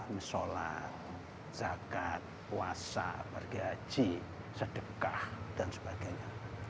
misal misalat zakat puasa pergi haji sedekah dan sebagainya